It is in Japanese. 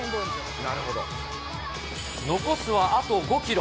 残すはあと５キロ。